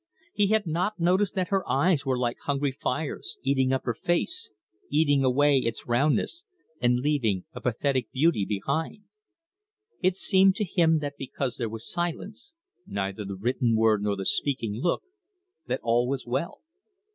He had not noticed that her eyes were like hungry fires, eating up her face eating away its roundness, and leaving a pathetic beauty behind. It seemed to him that because there was silence neither the written word nor the speaking look that all was well.